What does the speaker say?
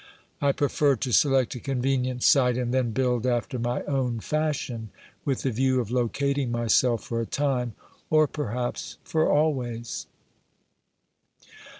I prefer to select a convenient site and then build after my own fashion, with the view of locating myself for a time, or perhaps for always.